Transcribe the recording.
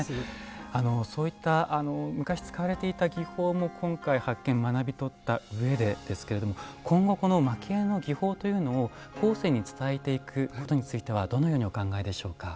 そういった昔使われていた技法も今回発見学び取った上でですけれども今後この蒔絵の技法というのを後世に伝えていくことについてはどのようにお考えでしょうか？